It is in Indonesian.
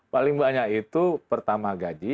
paling banyak itu pertama gaji